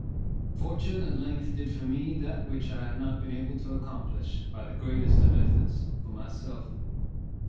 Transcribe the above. Fortune at length did for me that which I had not been able to accomplish, by the greatest efforts, for myself.